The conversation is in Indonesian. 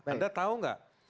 anda tahu gak